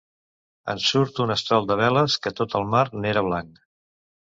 En surt un estol de veles, que tot el mar n’era blanc.